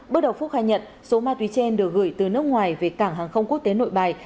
bước đầu phúc khai nhận số ma túy trên được gửi từ nước ngoài về cảng hàng không quốc tế nội bài